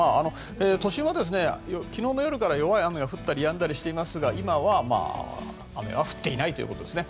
都心は昨日の夜から弱い雨が降ったりやんだりしていますが今は、雨は降っていないということですね。